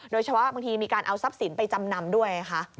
โดยเฉพาะบางทีมีการเอาทรัพย์สินไปจำนำด้วย